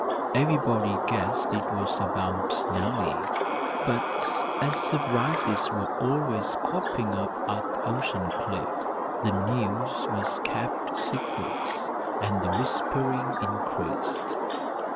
Everybody guessed it was about Nellie, but as surprises were always cropping up at Ocean Cliff, the news was kept secret and the whispering increased.